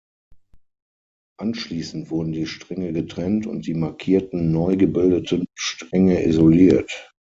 Anschließend wurden die Stränge getrennt und die markierten, neu gebildeten Stränge isoliert.